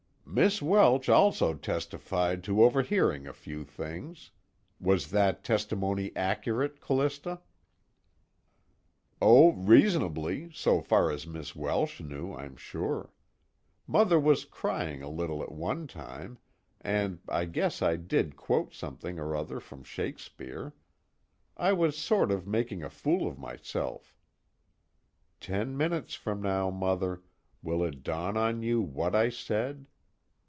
"Miss Welsh also testified to overhearing a few things. Was that testimony accurate, Callista?" "Oh, reasonably, so far as Miss Welsh knew, I'm sure. Mother was crying a little at one time, and I guess I did quote something or other from Shakespeare. I was sort of making a fool of myself." _Ten minutes from now, Mother, will it dawn on you what I said?